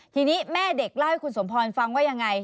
ทีนี้แม่เด็กเล่าให้คุณสมพรฟังว่ายังไง